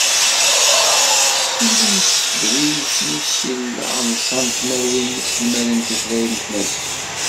Tessuli tedwilt n usileɣ n ṣa tmerwin n yiselmaden n tutlayt n tmaziɣt.